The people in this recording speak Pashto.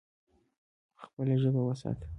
خپله ژبه وساته.